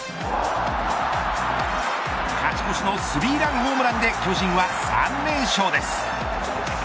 勝ち越しのスリーランホームランで巨人は３連勝です。